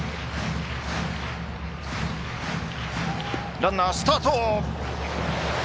ランナースタート。